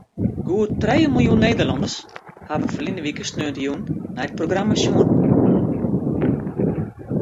Goed trije miljoen Nederlanners hawwe ferline wike sneontejûn nei it programma sjoen.